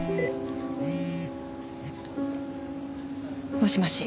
もしもし。